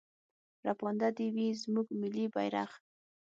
راپانده دې وي زموږ ملي بيرغ.